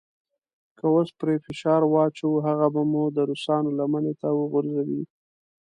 که اوس پرې فشار واچوو هغه به مو د روسانو لمنې ته وغورځوي.